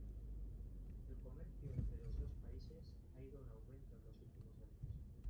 El comercio entre los dos países ha ido en aumento en los últimos años.